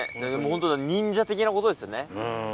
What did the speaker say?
ホントだ忍者的なことですよね。